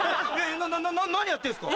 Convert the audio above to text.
何やってるんですか？